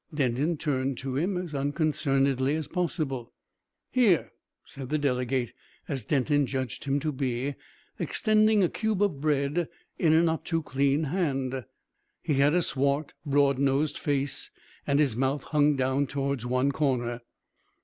Denton turned to him as unconcernedly as possible. "Here!" said the delegate as Denton judged him to be extending a cube of bread in a not too clean hand. He had a swart, broad nosed face, and his mouth hung down towards one corner.